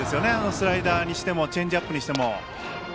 スライダーにしてもチェンジアップにしても。